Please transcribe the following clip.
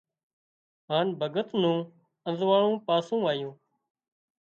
هانَ ڀڳت نُون ازوئاۯون پاسُون آيون